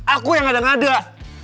aku yang ada ada